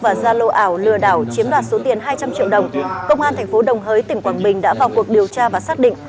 và ra lô ảo lừa đảo chiếm đoạt số tiền hai trăm linh triệu đồng công an thành phố đồng hới tỉnh quảng bình đã vào cuộc điều tra và xác định